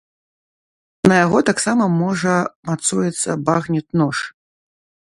На яго таксама можа мацуецца багнет-нож.